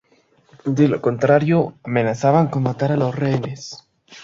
De lo contrario, amenazaban con matar a los rehenes.